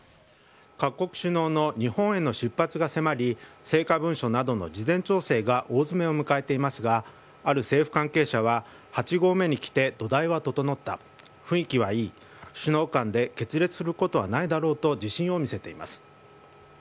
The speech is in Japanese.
各国首脳の日本への出発が迫り成果文書などの事前調整が大詰めを迎えていますがある政府関係者は８合目に来て土台は整った雰囲気はいい首脳間で決裂することはないだろうと自信を見せています。